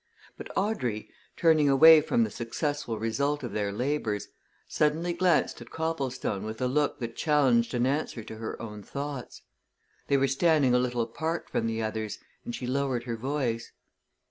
But Audrey, turning away from the successful result of their labours, suddenly glanced at Copplestone with a look that challenged an answer to her own thoughts. They were standing a little apart from the others and she lowered her voice.